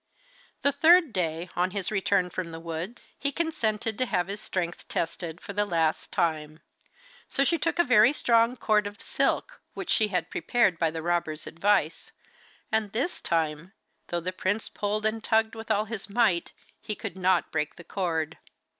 The third day, on his return from the wood he consented to have his strength tested for the last time. So she took a very strong cord of silk, which she had prepared by the robber's advice, and this time, though the prince pulled and tugged with all his might, he could not break the cord.